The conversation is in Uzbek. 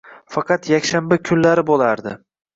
Faqat yakshanba kunlari boʻlardi.